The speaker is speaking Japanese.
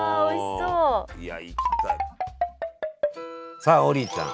さあ王林ちゃん